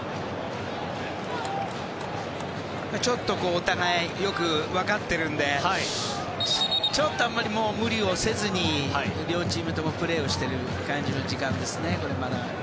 お互い、よく分かってるのでちょっとあまり無理をせずに両チームともプレーしてる感じの時間ですね、まだ。